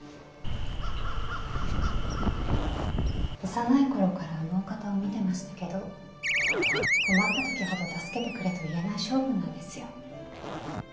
幼い頃からあのお方を見てましたけど困った時ほど助けてくれと言えない性分なんですよ。